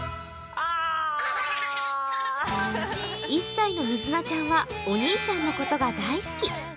１歳のみずなちゃんはお兄ちゃんのことが大好き。